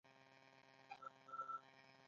تر څو د توکو د پېرلو پر مهال ستونزه ونلري